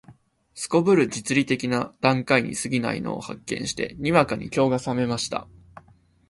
頗る実利的な階段に過ぎないのを発見して、にわかに興が覚めました